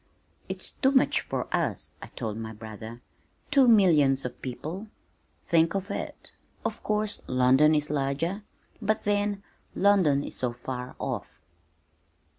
"It's too much for us," I told my brother. "Two millions of people think of it of course London is larger, but then London is so far off."